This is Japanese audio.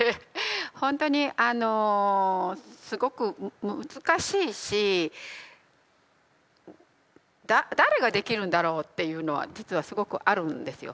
ほんとにあのすごく難しいし誰ができるんだろうっていうのは実はすごくあるんですよ。